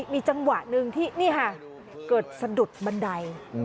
มีจังหวะหนึ่งที่นี่ค่ะเกิดสะดุดบันได